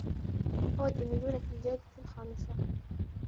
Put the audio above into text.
أود النزول في الجادة الخامسة